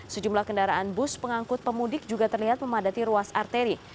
sejumlah kendaraan bus pengangkut pemudik juga terlihat memadati ruas arteri